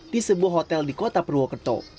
di sebuah hotel di kota purwokerto